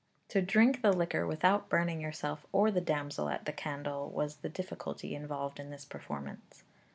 To drink the liquor without burning yourself or the damsel at the candle was the difficulty involved in this performance.